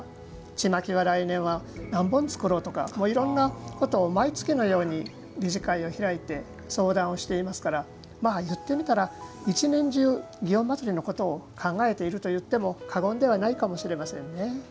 ちまきは来年は何本つくろうとかいろんなことを毎月のように理事会を開いて相談をしていますから言ってみたら、一年中祇園祭のことを考えているといっても過言ではないかもしれませんね。